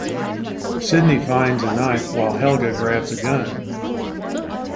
Sidney finds a knife while Helga grabs a gun.